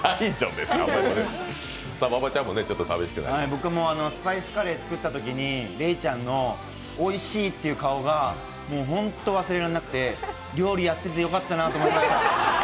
僕もスパイスカレー作ったときにレイちゃんの、おいしいっていう顔がもうホント忘れられなくて、料理やっててよかったなと思いました。